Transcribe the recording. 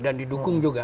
dan didukung juga